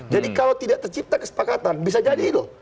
jadi kalau tidak tercipta kesepakatan bisa jadi itu